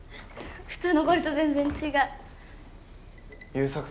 普通の氷と全然違う。